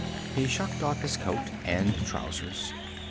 He shucked off his coat and trousers.